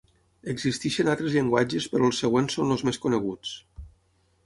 Existeixen altres llenguatges però els següents són els més coneguts.